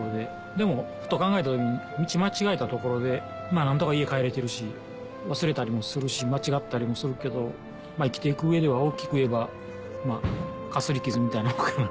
でもふと考えた時に道間違えたところで何とか家帰れてるし忘れたりもするし間違ったりもするけど生きていく上では大きく言えばかすり傷みたいなもんかな。